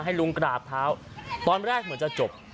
ลุงกราบเท้าตอนแรกเหมือนจะจบ